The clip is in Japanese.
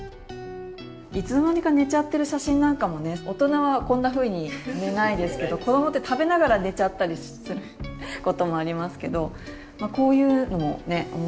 いつの間にか寝ちゃってる写真なんかもね大人はこんなふうに寝ないですけど子どもって食べながら寝ちゃったりすることもありますけどこういうのもね面白い。